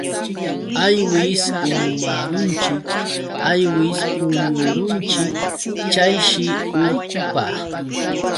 Aywis urmarunchik aywis puñurunchik chayshi urqupa.